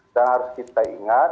dan harus kita ingat